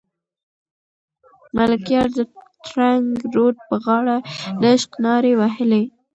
ملکیار د ترنګ رود په غاړه د عشق نارې وهي.